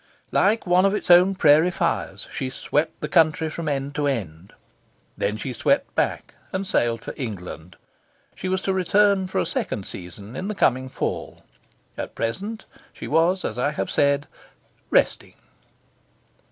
Like one of its own prairie fires, she swept the country from end to end. Then she swept back, and sailed for England. She was to return for a second season in the coming Fall. At present, she was, as I have said, "resting."